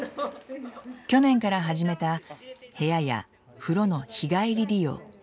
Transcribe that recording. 去年から始めた部屋や風呂の日帰り利用。